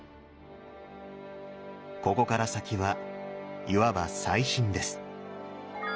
ここから先はいわば再審です。